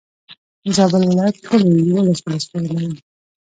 زابل ولايت ټولي يولس ولسوالي لري.